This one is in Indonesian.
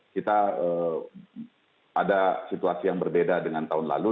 kita ada situasi yang berbeda dengan tahun lalu